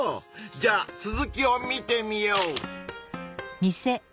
じゃあ続きを見てみよう！